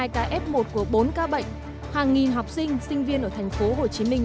tám trăm năm mươi hai ca f một của bốn ca bệnh hàng nghìn học sinh sinh viên ở thành phố hồ chí minh